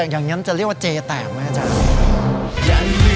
อย่างนั้นจะเรียกว่าเจแตกไหมอาจารย์